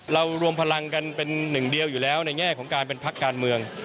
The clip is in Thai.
รวมพลังกันเป็นหนึ่งเดียวอยู่แล้วในแง่ของการเป็นพักการเมือง